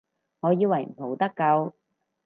我以為冇得救